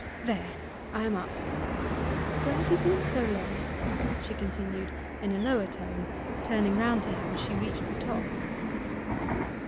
There, I am up. Where have you been so long?' she continued, in a lower tone, turning round to him as she reached the top.